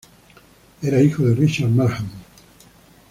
Era hijo de Richard Markham.